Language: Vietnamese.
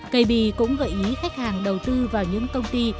kb cũng gợi ý khách hàng đầu tư vào những công ty